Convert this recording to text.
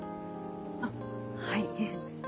あっはい。